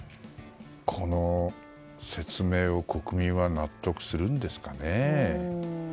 この説明を国民は納得するんですかね。